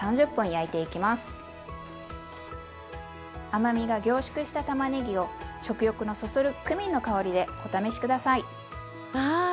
甘みが凝縮したたまねぎを食欲のそそるクミンの香りでお試し下さい！